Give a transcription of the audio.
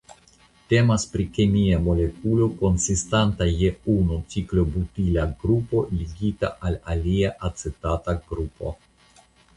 Temas pri kemia molekulo konsistanta je unu ciklobutila grupo ligita al alia acetata grupo.